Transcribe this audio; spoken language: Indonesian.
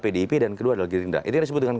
pdip dan kedua adalah gerindra itu yang disebut dengan